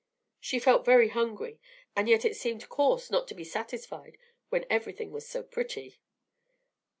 She felt very hungry, and yet it seemed coarse not to be satisfied when everything was so pretty.